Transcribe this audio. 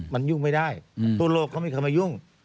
มันยุ่งไม่ได้ทั่วโลกเขาไม่เคยมายุ่ง